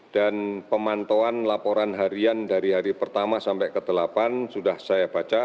dan pemantauan laporan harian dari hari pertama sampai ke delapan sudah saya baca